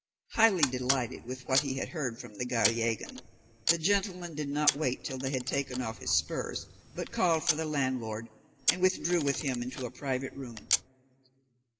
Highly delighted with what he had heard from the Gallegan, the gentleman did not wait till they had taken off his spurs, but called for the landlord, and withdrew with him into a private room.